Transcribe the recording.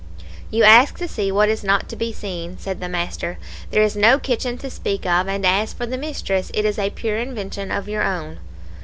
"'You ask to see what is not to be seen,' said the master. 'There is no kitchen to speak of, and as for the mistress, it is a pure invention of your own.'